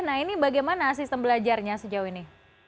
nah ini bagaimana sistem belajarnya sejauh ini